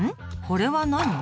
これは何？